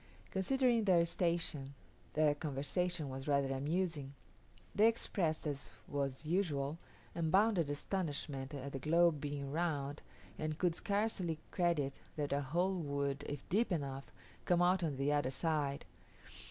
Considering their station, their conversation was rather amusing. They expressed, as was usual, unbounded astonishment at the globe being round, and could scarcely credit that a hole would, if deep enough, come out on the other side.